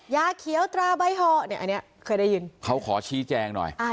ยาเขียวตราใบห่อเนี่ยอันนี้เคยได้ยินเขาขอชี้แจงหน่อย